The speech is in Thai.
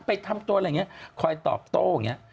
ไปทำตัวอะไรอย่างนี้คอยตอบโต้อย่างนี้